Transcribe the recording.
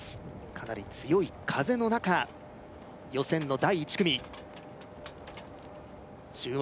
かなり強い風の中予選の第１組注目